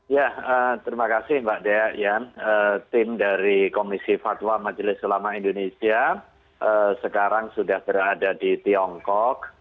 ya terima kasih mbak dea ya tim dari komisi fatwa majelis ulama indonesia sekarang sudah berada di tiongkok